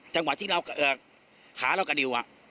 จังหวะที่ขาเรากระดิว